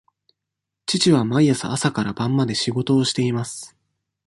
父は毎日朝から晩まで仕事をしています。